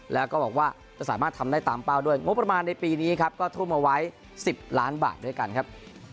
แล้วก็บอกว่าจะสามารถทำได้ตามเป้าด้วยงบประมาณในปีนี้ครับก็ทุ่มเอาไว้๑๐ล้านบาทด้วยกันครับ